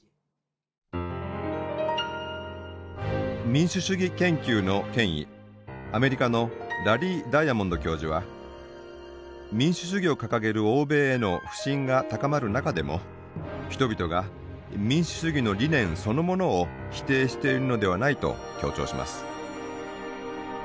民主主義研究の権威アメリカのラリー・ダイアモンド教授は民主主義を掲げる欧米への不信が高まる中でも人々が民主主義の理念そのものを否定しているのではないと強調します。